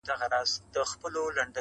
هم بوره، هم بد نامه.